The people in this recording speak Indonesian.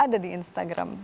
ada di instagram